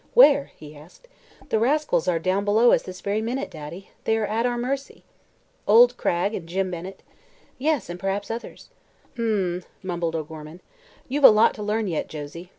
"Where?" he asked. "The rascals are down below us this very minute, Daddy. They are at our mercy." "Old Cragg and Jim Bennett?" "Yes; and perhaps others." "M m m," mumbled O'Gorman, "you've a lot to learn yet, Josie.